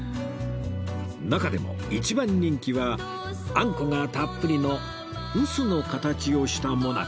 中でも一番人気はあんこがたっぷりの臼の形をした最中